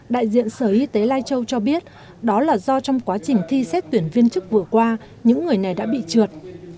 đại diện sở y tế lai châu cho biết đó là do trong quá trình thi xét tuyển viên chức vừa qua những người này đã bị trượt